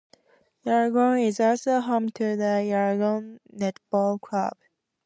Yarragon is also home to the Yarragon Netball Club.